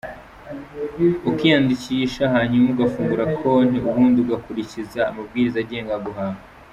com, ukiyandikisha hanyuma ugafungura konti, ubundi ugakurikiza amabwiriza agenga guhaha.